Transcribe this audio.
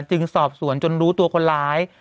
จึงสอบสวนจนรู้ตัวคนร้าย